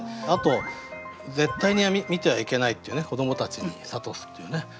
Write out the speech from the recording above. あと絶対に見てはいけないっていう子どもたちに諭すっていうね。